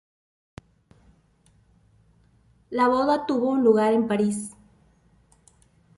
La boda tuvo lugar en París, con Ambroise Thomas entregando a la novia.